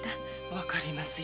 分かりますよ